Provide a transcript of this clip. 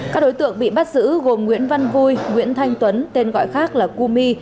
các đối tượng bị bắt giữ gồm nguyễn văn vui nguyễn thanh tuấn tên gọi khác là cu my